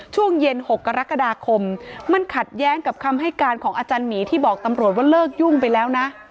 ช่วงเย็น๖กรกฎาคมมันขัดแย้งกับคำให้การของอาจารย์หมีที่บอกตำรวจว่าเลิกยุ่งไปแล้วนะ